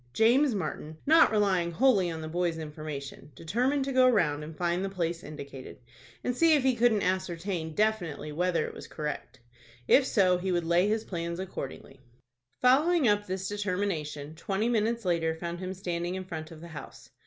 James Martin, not relying wholly on the boy's information, determined to go round and find the place indicated, and see if he couldn't ascertain definitely whether it was correct. If so, he would lay his plans accordingly. Following up this determination, twenty minutes later found him standing in front of the house.